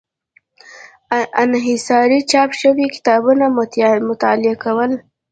انحصاري چاپ شوي کتابونه مطالعه کول.